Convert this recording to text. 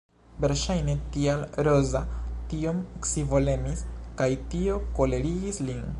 Verŝajne tial Roza tiom scivolemis kaj tio kolerigis lin.